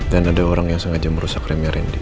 dan ada orang yang sengaja merusak remnya randy